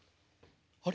あれ？